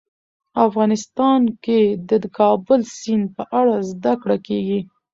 افغانستان کې د د کابل سیند په اړه زده کړه کېږي.